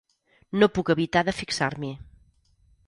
No puc evitar de fixar-m'hi.